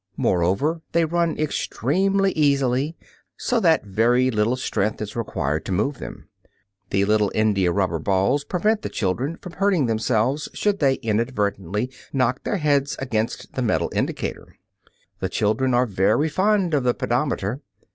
Moreover they run extremely easily, so that very little strength is required to move them. The little india rubber balls prevent the children from hurting themselves should they inadvertently knock their heads against the metal indicator. The children are very fond of the pedometer.